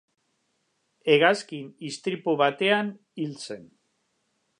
Hegazkin istripu batean hil zen.